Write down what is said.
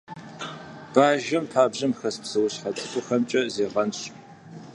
Бажэм пабжьэм хэс псэущхьэ цӀыкӀухэмкӀэ зегъэнщӀ.